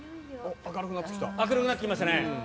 明るくなってきましたね。